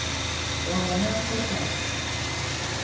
তোমার মনে আছে এটা?